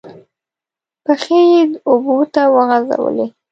پښې یې اوبو ته ورغځولې.